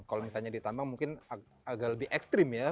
kalau misalnya ditambah mungkin agak lebih ekstrim ya